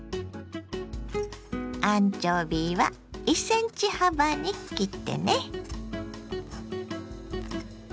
アンチョビは１ｃｍ幅に切ってね。